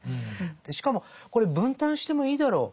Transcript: しかもこれ分担してもいいだろう。